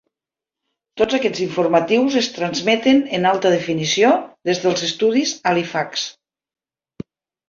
Tots aquests informatius es transmeten en alta definició des dels estudis Halifax.